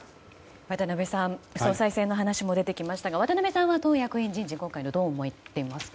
渡辺さん総裁選の話も出てきましたが渡辺さんは党役員人事どうみていますか。